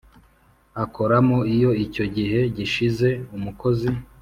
Akoramo iyo icyo gihe gishize umukozi